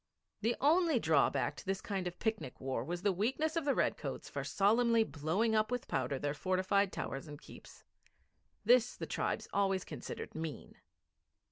The only drawback to this kind of picnic war was the weakness of the redcoats for solemnly blowing up with powder their fortified towers and keeps. This the tribes always considered mean.